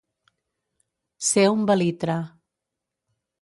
Ser un belitre.